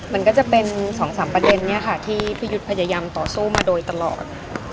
มันก็จะเป็น๒๓ประเด็นนี้ค่ะที่พี่ยุทธพยายามต่อสู้มาโดยตลอด